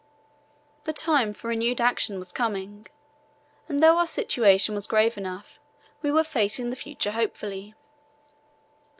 The time for renewed action was coming, and though our situation was grave enough, we were facing the future hopefully.